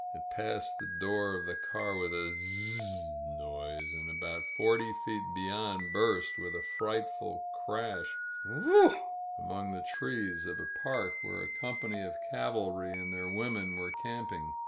It passed the door of the car with a zzzzzing noise and about forty feet beyond burst with a frightful Crash — ^Whee e e eeaa !! among the trees of a park where a company of cavalry and their women were camping.